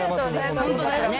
本当だよね。